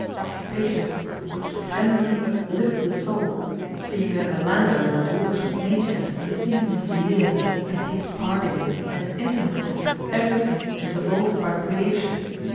Occupations which genuinely uplift the soul, seeing that the landowner walks with nature and the seasons of the year, and takes part in, and is intimate with, everything which is evolved by creation.